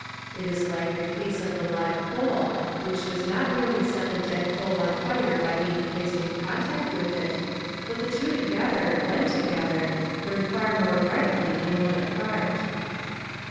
It is like the case of the live coal, which does not merely set the dead coal on fire by being placed in contact with it, but the two together, when together, burn far more brightly than when apart.